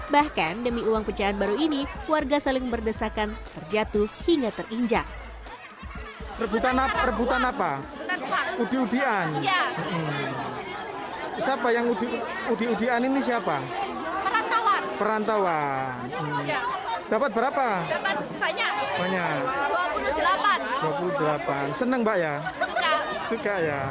bahkan demi uang pecahan baru ini warga saling berdesakan terjatuh hingga terinjak